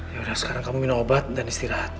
yaudah sekarang kamu minum obat dan istirahat